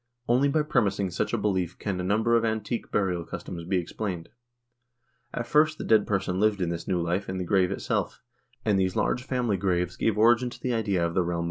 Only by premising such a belief can a number of antique burial customs be explained. ... At first the dead person lived this new life in the grave itself, and these large family graves gave origin to the idea of the realm of the dead."